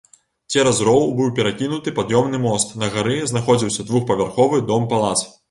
Цераз роў быў перакінуты пад'ёмны мост, на гары знаходзіўся двухпавярховы дом-палац.